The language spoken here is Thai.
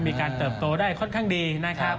เติบโตได้ค่อนข้างดีนะครับ